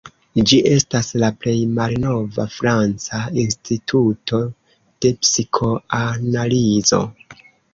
Ĝi estas la plej malnova franca instituto de psikoanalizo.